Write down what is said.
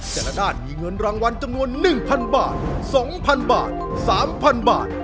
แต่ละด้านมีเงินรางวัลจำนวน๑๐๐บาท๒๐๐บาท๓๐๐บาท